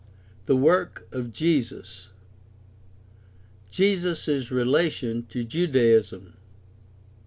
THE WORK OF JESUS Jesus' relation to Judaism.